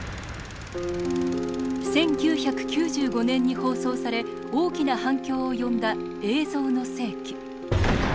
１９９５年に放送され大きな反響を呼んだ「映像の世紀」。